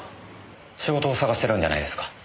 仕事を探してるんじゃないですか。